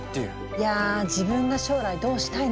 いや自分が将来どうしたいのか。